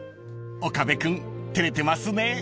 ［岡部君照れてますね］